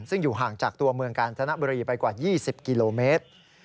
ซึ่งอยู่ห่างจากตัวเมืองกาญจนบุรีไปกว่า๒๐กิโลเมตร